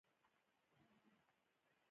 په تا يې څه؛ چې ته ما ته ځواب راکوې.